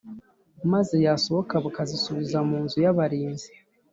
maze yasohoka bakazisubiza mu nzu y’abarinzi